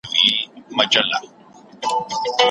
ته یوازی تنها نه یې